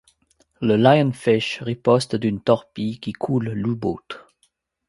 Le Lionfish riposte une torpille qui coule l’u-boat.